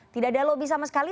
tidak ada lobby sama sekali